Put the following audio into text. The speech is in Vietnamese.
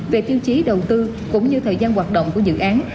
về tiêu chí đầu tư cũng như thời gian hoạt động của dự án